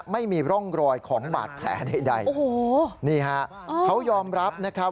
ไม่มีร่องรอยของบาดแผลใดโอ้โหนี่ฮะเขายอมรับนะครับ